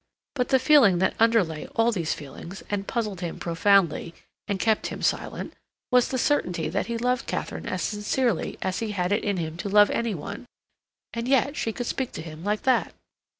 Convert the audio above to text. But the feeling that underlay all these feelings and puzzled him profoundly and kept him silent was the certainty that he loved Katharine as sincerely as he had it in him to love any one. And yet she could speak to him like that!